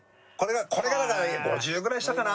これがだから５０ぐらいしたかな？